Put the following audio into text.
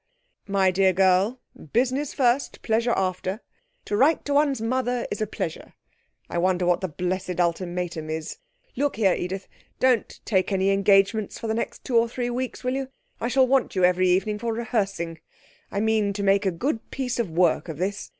'My dear girl, business first, pleasure after. To write to one's mother is a pleasure. I wonder what the blessed ultimatum is. Look here, Edith, don't take any engagements for the next two or three weeks, will you? I shall want you every evening for rehearsing. I mean to make a good piece of work of this.